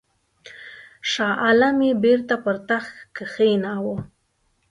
شاه عالم یې بیرته پر تخت کښېناوه.